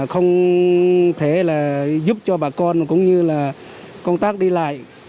không thể là giúp cho bà con cũng như là công tác đi lại